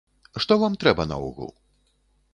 Што вам трэба наогул?